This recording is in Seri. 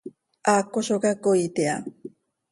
Haaco zo cacoiit iha.